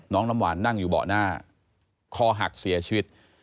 น้ำหวานนั่งอยู่เบาะหน้าคอหักเสียชีวิต